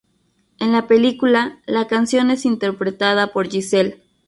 En la película, la canción es interpretada por Giselle.